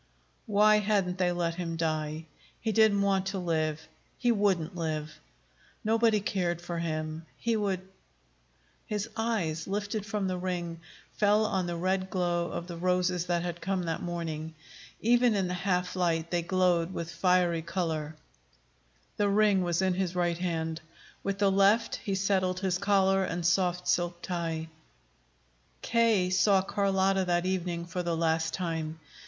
Why hadn't they let him die? He didn't want to live he wouldn't live. Nobody cared for him! He would His eyes, lifted from the ring, fell on the red glow of the roses that had come that morning. Even in the half light, they glowed with fiery color. The ring was in his right hand. With the left he settled his collar and soft silk tie. K. saw Carlotta that evening for the last time.